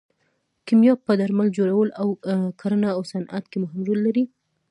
کیمیا په درمل جوړولو او کرنه او صنعت کې مهم رول لري.